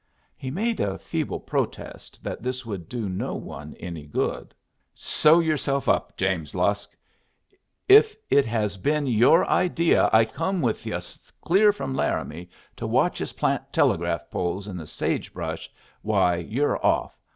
He made a feeble protest that this would do no one any good. "Sew yourself up, James Lusk. If it has been your idea I come with yus clear from Laramie to watch yus plant telegraph poles in the sage brush, why you're off.